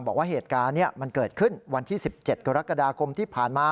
บอกว่าเหตุการณ์เนี่ยมันเกิดขึ้นวันที่สิบเจ็ดกรกฎากรมที่ผ่านมา